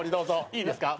いいですか？